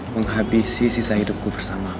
menghabisi sisa hidupku bersamamu